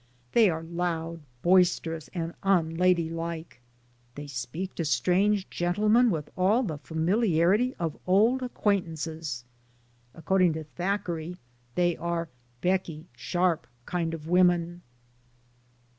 They are loud, boisterous and unladylike; they speak to strange gentlemen with all the familiarity of old acquaintances. According to Thackeray, they are "Becky Sharp" kind of women.